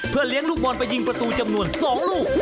เลี้ยงลูกบอลไปยิงประตูจำนวน๒ลูก